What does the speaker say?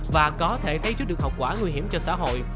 và có thể thấy trước được hậu quả nguy hiểm cho xã hội